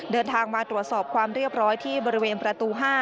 เดินทางมาตรวจสอบความเรียบร้อยที่บริเวณประตู๕